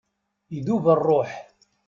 Idub rruḥ!